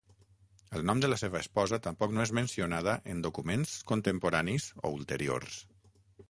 El nom de la seva esposa tampoc no és mencionada en documents contemporanis o ulteriors.